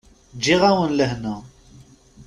Ǧǧiɣ-awen lehna.